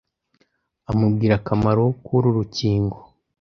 amubwira akamaro k’uru rukingo